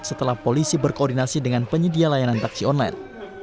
setelah polisi berkoordinasi dengan penyedia layanan taksi online